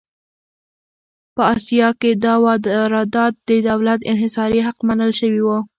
په اسیا کې دا واردات د دولت انحصاري حق منل شوي وو.